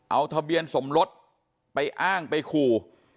เอาทะเบียนสมรสไปอ้างไปขู่